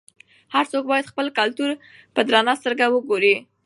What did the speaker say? هر څوک باید خپل کلتور ته په درنه سترګه وګوري.